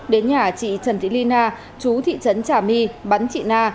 đến nhà chị trần thị ly na chú thị trấn trà my bắn chị na